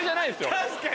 確かに。